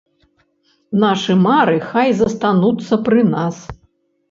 Нашы мары хай застануцца пры нас.